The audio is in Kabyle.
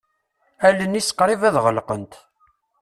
Allen-is qrib ad ɣelqent.